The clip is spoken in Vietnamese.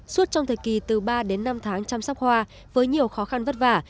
suốt trong thời kỳ từ ba đến năm tháng chăm sóc hoa với nhiều khó khăn vất vả